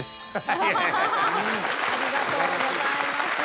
ありがとうございます。